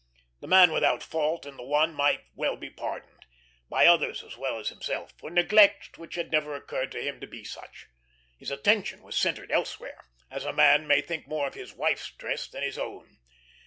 The man without fault in the one might well be pardoned, by others as well as himself, for neglects which had never occurred to him to be such. His attention was centred elsewhere, as a man may think more of his wife's dress than his own.